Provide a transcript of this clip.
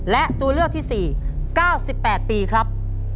และตัวเลือกที่๔๙๘ปีครับ